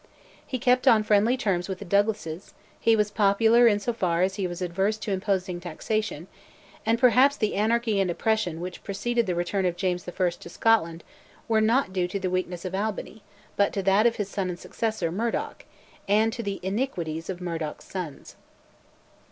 He kept on friendly terms with the Douglases, he was popular in so far as he was averse to imposing taxation; and perhaps the anarchy and oppression which preceded the return of James I. to Scotland were due not to the weakness of Albany but to that of his son and successor, Murdoch, and to the iniquities of Murdoch's sons.